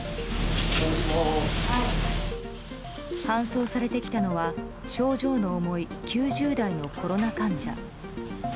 搬送されてきたのは症状の重い９０代のコロナ患者。